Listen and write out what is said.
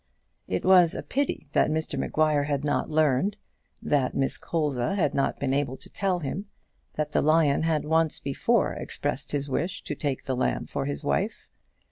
It was a pity that Maguire had not learned that Miss Colza had not been able to tell him that the lion had once before expressed his wish to take the lamb for his wife.